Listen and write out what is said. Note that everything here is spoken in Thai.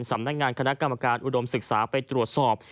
สำนักงานคณะกรรมการอุดมศึกษาไปตรวจสอบ